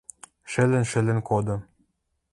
Шӹлӹн-шӹлӹн коды.